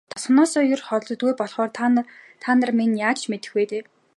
Тосгоноосоо ер холддоггүй болохоор та минь ч яаж мэдэх вэ дээ.